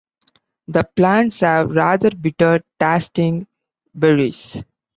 The plants have rather bitter-tasting berries.